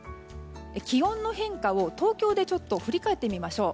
気温の変化を東京でちょっと振り返ってみましょう。